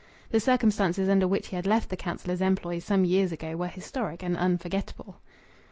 The circumstances under which he had left the councillor's employ some years ago were historic and unforgettable.